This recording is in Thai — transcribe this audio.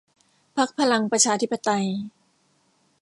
พรรคพลังประชาธิปไตย